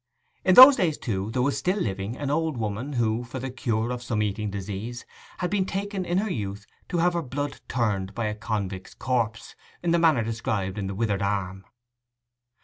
In those days, too, there was still living an old woman who, for the cure of some eating disease, had been taken in her youth to have her 'blood turned' by a convict's corpse, in the manner described in 'The Withered Arm.